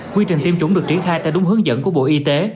quy trình tiêm chủng được triển khai theo đúng hướng dẫn của bộ y tế